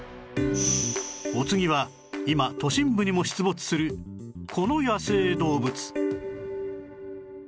お次は今都心部にも出没するこの野生動物